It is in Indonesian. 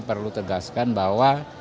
perlu tegaskan bahwa